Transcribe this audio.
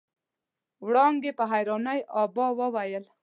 وړانګې په حيرانۍ ابا وويل.